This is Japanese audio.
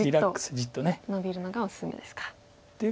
じっとノビるのがおすすめですか。